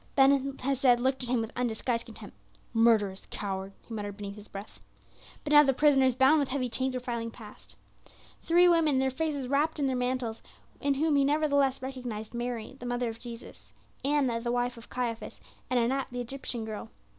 Ben Hesed looked at him with undisguised contempt. "Murderous coward!" he muttered beneath his breath. But now the prisoners, bound with heavy chains, were filing past. Three women, their faces wrapped in their mantles, in whom he nevertheless recognized Mary, the mother of Jesus, Anna, the wife of Caiaphas, and Anat the Egyptian girl.